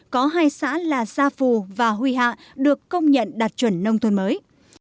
có hai xã là gia phù và huy hạ được công nhận đạt chuẩn nông thôn mới